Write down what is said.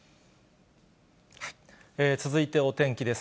続いてお天気です。